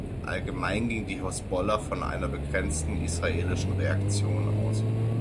Allgemein ging die Hisbollah von einer begrenzten israelischen Reaktion aus.